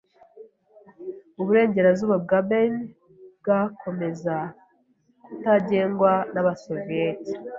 Uburengerazuba bwa Berlin bwakomeza kutagengwa n’abasoviyeti.